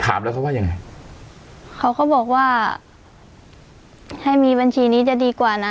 ถามแล้วเขาว่ายังไงเขาก็บอกว่าให้มีบัญชีนี้จะดีกว่านะ